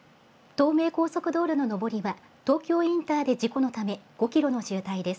東名高速道路の上りは、東京インターで事故のため、５キロの渋滞です。